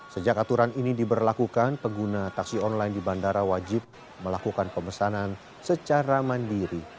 sejak aturan ini diberlakukan pengguna taksi online di bandara wajib melakukan pemesanan secara mandiri